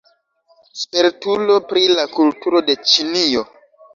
Spertulo pri la kulturo de Ĉinio.